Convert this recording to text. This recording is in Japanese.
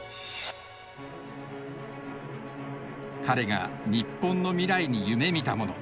彼が日本の未来に夢みたもの。